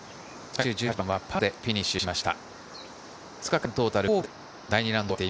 最終１８番はパーでフィニッシュしました。